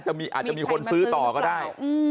อาจจะมีคนซื้อต่อก็ได้